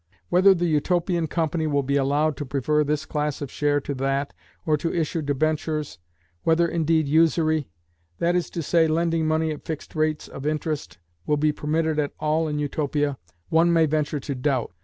Whether the Utopian company will be allowed to prefer this class of share to that or to issue debentures, whether indeed usury, that is to say lending money at fixed rates of interest, will be permitted at all in Utopia, one may venture to doubt.